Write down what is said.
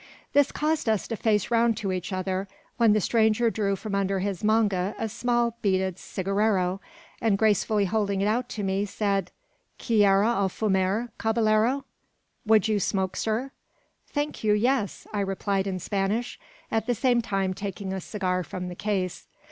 This caused us to face round to each other, when the stranger drew from under his manga a small beaded cigarero, and, gracefully holding it out to me, said "Quiere a fumar, caballero?" (Would you smoke, sir?) "Thank you, yes," I replied in Spanish, at the same time taking a cigar from the case.